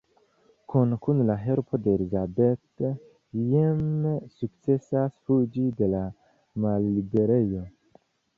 Kune kun la helpo de Elisabeth, Jim sukcesas fuĝi de la malliberejo.